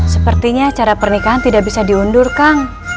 sepertinya acara pernikahan tidak bisa diundur kang